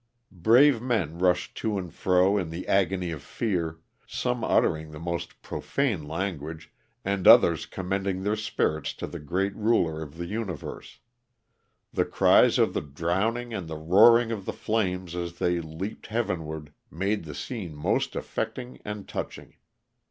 Brave men rushed to and fro in the agony of fear, some uttering the most profane language and others commending their spirits to the Great Kuler of the Universe; the cries of the drowning and the roaring of the flames as they leaped heaven ward made the scene most affecting and touching.